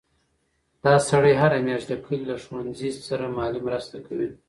دا سړی هره میاشت د کلي له ښوونځي سره مالي مرسته کوي.